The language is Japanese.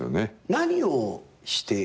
何をしていたの？